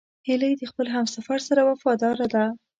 هیلۍ د خپل همسفر سره وفاداره ده